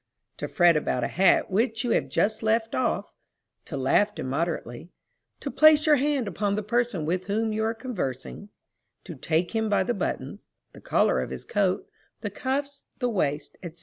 to fret about a hat which you have just left off; to laugh immoderately; to place your hand upon the person with whom you are conversing; to take him by the buttons, the collar of his coat, the cuffs, the waist, &c.